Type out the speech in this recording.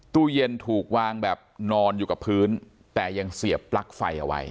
ตู้เย็นถูกวางแบบนอนอยู่กับพื้นแต่ยังเสียบปลั๊กไฟเอาไว้